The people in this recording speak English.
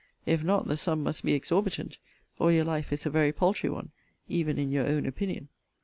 If not, the sum must be exorbitant, or your life is a very paltry one, even in your own opinion.